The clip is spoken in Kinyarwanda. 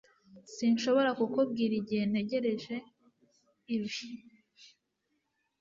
Sinshobora kukubwira igihe ntegereje ibi